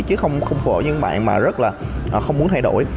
chứ không phù hợp với những bạn mà rất là không muốn thay đổi